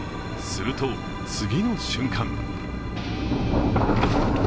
すると次の瞬間。